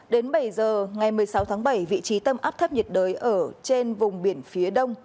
đến bảy giờ ngày một mươi sáu tháng bảy vị trí tâm áp thấp nhiệt đới ở trên vùng biển phía đông